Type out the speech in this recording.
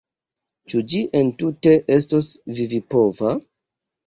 Ĉu ĝi entute estos vivipova?